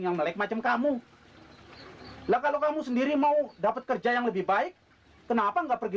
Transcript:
yang melek macam kamu lah kalau kamu sendiri mau dapat kerja yang lebih baik kenapa enggak pergi